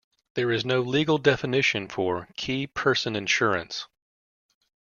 There is no legal definition for "key person insurance".